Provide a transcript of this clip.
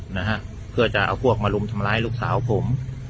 นะฮะเพื่อจะเอาพวกมารุมทำร้ายลูกสาวผม